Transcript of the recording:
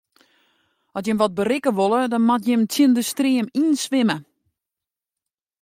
As jimme wat berikke wolle, moatte jimme tsjin de stream yn swimme.